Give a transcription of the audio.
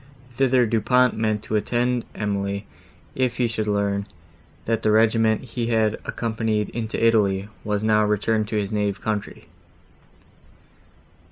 Thither Du Pont meant to attend Emily, if he should learn, that the regiment he had accompanied into Italy, was returned to his native country.